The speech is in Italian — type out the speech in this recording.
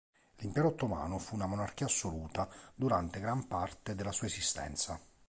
L'Impero Ottomano fu una monarchia assoluta durante gran parte della sua esistenza.